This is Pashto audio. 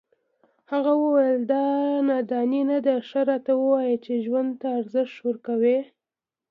هغه وویل دا دانایي نه ده ښه راته ووایه چې ژوند ته ارزښت ورکوې.